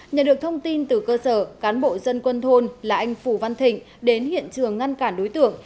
nhận được thông tin từ cơ sở cán bộ dân quân thôn là anh phù văn thịnh đến hiện trường ngăn cản đối tượng